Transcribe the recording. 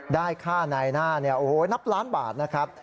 ได้ค่าในหน้าโอ้โฮนับล้านบาทนะครับ